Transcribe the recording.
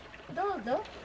どうぞ。